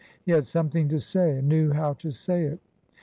He had something to say and knew how to say it.